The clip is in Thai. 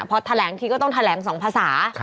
พอแถลงทีก็ต้องแถลง๒ภาษา